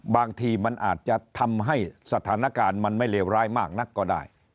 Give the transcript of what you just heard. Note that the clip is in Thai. บางทีมันอาจจะทำให้สถานการณ์มันไม่เลวร้ายมากนักก็ได้